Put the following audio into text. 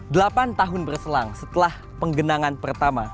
delapan tahun berselang setelah penggenangan pertama